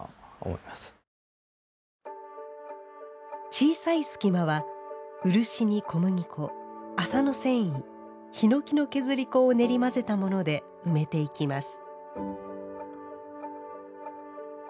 小さい隙間は、漆に、小麦粉麻の繊維、ヒノキの削り粉を練り混ぜたもので埋めていきます。